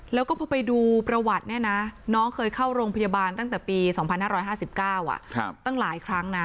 แล้วก็พอไปดูประวัติเนี่ยนะน้องเคยเข้าโรงพยาบาลตั้งแต่ปี๒๕๕๙ตั้งหลายครั้งนะ